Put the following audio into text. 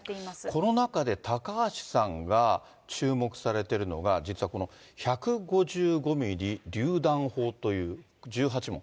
この中で高橋さんが注目されているのが、実はこの１５５ミリりゅう弾砲という１８門。